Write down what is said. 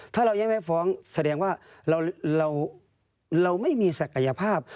ถ้าเรายังไม่ฟ้องแสดงว่าเราไม่มีศักยภาพ